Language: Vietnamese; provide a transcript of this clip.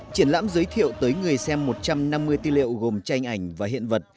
triển lãm giới thiệu tới người xem một trăm năm mươi tư liệu gồm tranh ảnh và hiện vật